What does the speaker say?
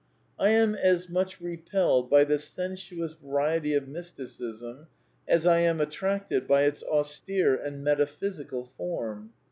I am as much repelled by the sensuous variety of mysticism as I am attracted by its austere and metaphysical form.